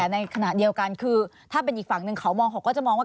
ในขณะเดียวกันคือถ้าเป็นอีกฝั่งหนึ่งเขามองเขาก็จะมองว่า